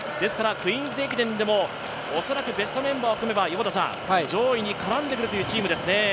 クイーンズ駅伝でも恐らくベストメンバーを組めば、上位に絡んでくるというチームですね。